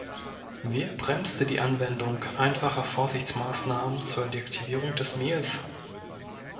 Wer bremste die Anwendung einfacher Vorsichtsmaßnahmen zur Deaktivierung des Mehls?